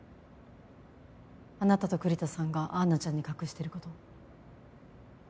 あなたと栗田さんがアンナちゃんに隠してること。